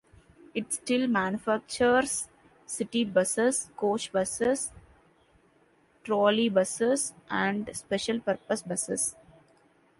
It still manufactures city buses, coach buses, trolley buses, and special purpose buses.